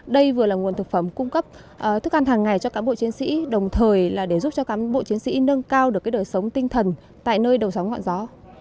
đây vừa là nguồn thực phẩm cung cấp thức ăn hàng ngày cho cán bộ chiến sĩ đồng thời là để giúp cho cán bộ chiến sĩ nâng cao được đời sống tinh thần tại nơi đầu sóng ngọn gió